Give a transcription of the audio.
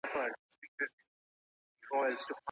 هغوی پر ستاسې په خبرو بشپړ باور کوي.